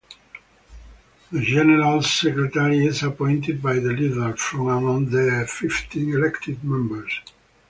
The General Secretary is appointed by the Leader, from among the fifteen elected members.